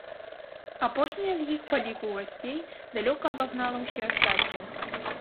Апошняя з іх па ліку гасцей далёка абагнала ўсе астатнія.